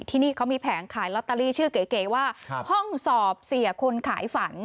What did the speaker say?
ที่นี่เขามีแผงขายลอตเตอรี่ชื่อเก๋ว่าห้องสอบเสียคนขายฝัน